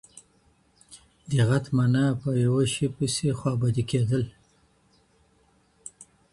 دېغت مانا په يو شي پسي خوابدی کېدل .